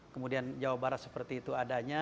kemudian jawa barat seperti itu adanya